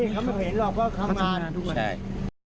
นี่เขาไม่เห็นหรอกเพราะเขามาใช่